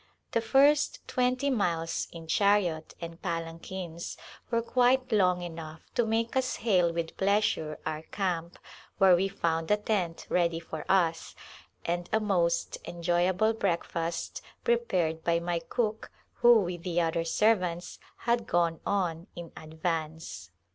The first twenty miles in chariot and palanquins were quite long enough to make us hail with pleasure our camp, where we found a tent ready for us, and a most enjoyable breakfast prepared by my cook who, with the other servants, had ^one on in advance.